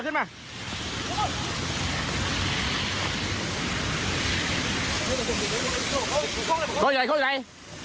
เครื่องอยู่ไหน